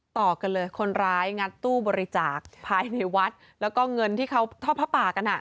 ต่อกันเลยคนร้ายงัดตู้บริจาคภายในวัดแล้วก็เงินที่เขาทอดผ้าป่ากันอ่ะ